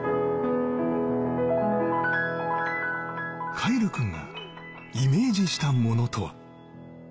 凱成君がイメージしたものとは。